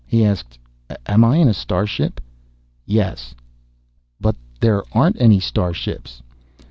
He asked, "Am I in a starship?" "Yes." "But there aren't any starships."